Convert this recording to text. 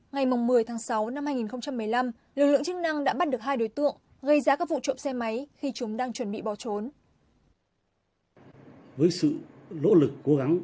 ngày một mươi tháng sáu năm hai nghìn một mươi năm lực lượng chức năng đã bắt được hai đối tượng gây ra các vụ trộm xe máy khi chúng đang chuẩn bị bỏ trốn